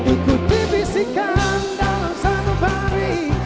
ikuti bisikan dan bersalubari